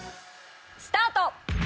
スタート！